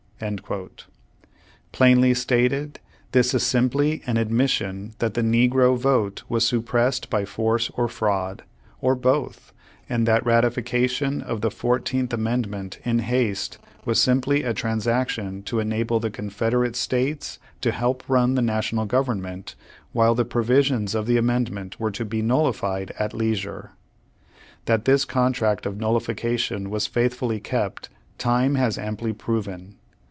" Plainly stated this is simply an admission that the negro vote was suppressed by force or fraud, or both, and that ratification of the Fourteenth Amendment in haste, was simply a transaction to enable the Confederate States to help run the National Government, while the provisions of the amendment were to be nullified at leisure. That this contract of nullification was faithfully kept, time has amply proven.